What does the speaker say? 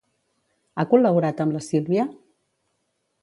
Ha col·laborat amb la Sílvia?